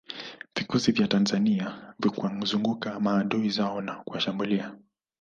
Vikosi vya Tanzania vikwazunguka maadui zao na kuwashambulia